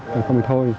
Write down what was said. rồi không thì thôi